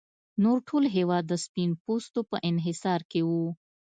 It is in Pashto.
نور ټول هېواد د سپین پوستو په انحصار کې و.